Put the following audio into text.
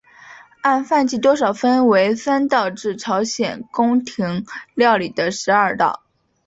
按饭馔多少分为三道至朝鲜宫廷料理的十二道。